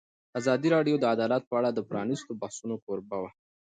ازادي راډیو د عدالت په اړه د پرانیستو بحثونو کوربه وه.